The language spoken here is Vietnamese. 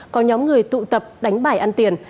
có nhóm người tụ tập đánh bải ăn tiền